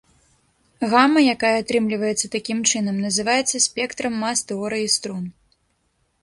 Гама, якая атрымліваецца такім чынам, называецца спектрам мас тэорыі струн.